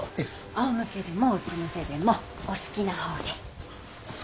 あおむけでもうつ伏せでもお好きな方で。